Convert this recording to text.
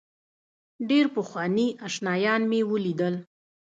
ډېر پخواني آشنایان مې ولیدل.